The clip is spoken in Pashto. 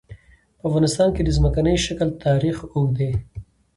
په افغانستان کې د ځمکنی شکل تاریخ اوږد دی.